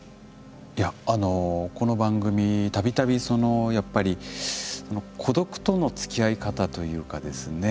いやこの番組度々そのやっぱり孤独とのつきあい方というかですね